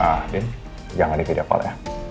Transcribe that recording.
ah din jangan di video call ya